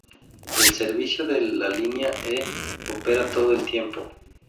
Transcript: El servicio de la línea E opera todo el tiempo.